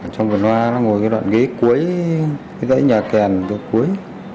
trong vườn hoa nó ngồi cái đoạn ghế cuối cái đáy nhà kèn cuối